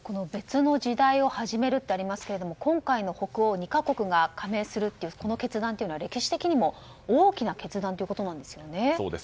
別の時代を始めるってありますけれども今回の、北欧２か国が加盟するこの決断というのは歴史的にも大きな決断ということなんですね。